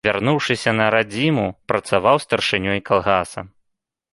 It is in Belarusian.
Вярнуўшыся на радзіму, працаваў старшынёй калгаса.